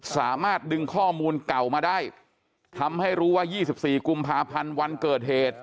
สามารถดึงข้อมูลเก่ามาได้ทำให้รู้ว่า๒๔กุมภาพันธ์วันเกิดเหตุ